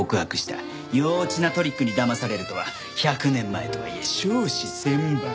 幼稚なトリックにだまされるとは１００年前とはいえ笑止千万。